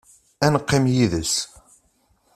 Ad neqqim yid-s.